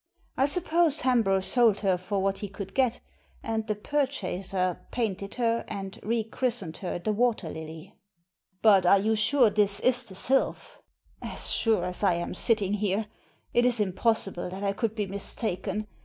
I suppose Hambro sold her for what he could get, and the purchaser painted her, and rechristened her the Water Lily!' " But are you sure this is the Sylpk ?" "As sure as that I am sitting here. It is impossible that I could be mistaken.